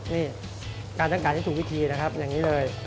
นี่การตั้งกาดยังถูกวิธีนะครับอย่างนี้เลย